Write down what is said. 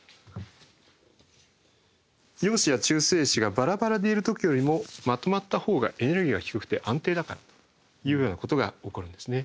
陽子や中性子がばらばらでいる時よりもまとまったほうがエネルギーが低くて安定だからというようなことが起こるんですね。